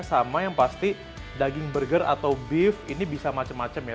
sama yang pasti daging burger atau beef ini bisa macam macam ya